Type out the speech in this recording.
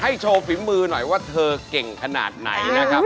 โชว์ฝีมือหน่อยว่าเธอเก่งขนาดไหนนะครับ